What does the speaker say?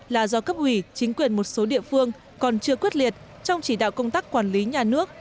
là do cấp ủy chính quyền một số địa phương còn chưa quyết liệt trong chỉ đạo công tác quản lý nhà nước